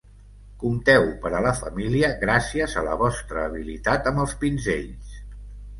Compteu per a la família gràcies a la vostra habilitat amb els pinzells.